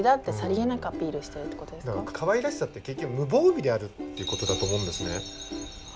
かわいらしさって結局無防備であるっていう事だと思うんですね。